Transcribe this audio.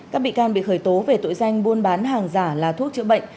các bị can bị khởi tố về tội danh buôn bán hàng giả là thuốc chữa bệnh